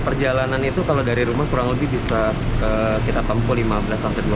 perjalanan itu kalau dari rumah kurang lebih bisa kita tempuh lima belas sampai dua puluh